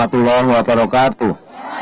assalamu'alaikum warahmatullahi wabarakatuh